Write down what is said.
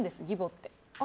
義母って。